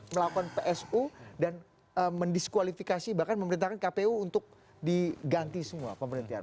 melakukan psu dan mendiskualifikasi bahkan memerintahkan kpu untuk diganti semua pemberhentian